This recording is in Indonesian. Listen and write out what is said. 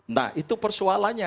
nah itu persoalannya